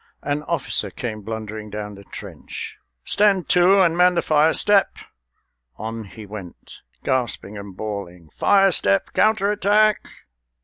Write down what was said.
An officer came blundering down the trench: "Stand to and man the fire step!" On he went ... Gasping and bawling, "Fire step ... counter attack!"